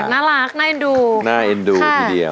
เก่งมากน่ารักน่าเอ็นดู